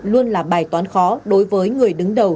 luôn là bài toán khó đối với người đứng đầu